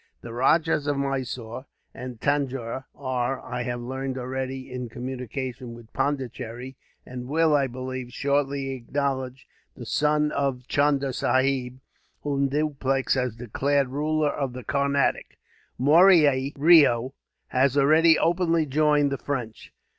The Rajahs of Mysore and Tanjore are, I have learned, already in communication with Pondicherry; and will, I believe, shortly acknowledge the son of Chunda Sahib, whom Dupleix has declared ruler of the Carnatic. Murari Reo has already openly joined the French.